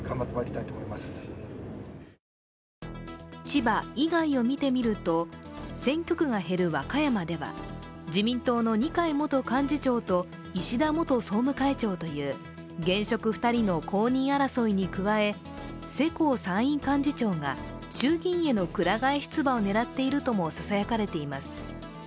千葉以外を見てみると、選挙区が減る和歌山では自民党の二階元幹事長と石田元総務会長という現職２人の公認争いに加え、世耕参院幹事長が衆議院へのくら替え出馬を狙っているともささやかれています。